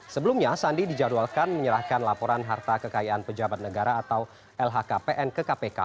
sebelumnya sandi dijadwalkan menyerahkan laporan harta kekayaan pejabat negara atau lhkpn ke kpk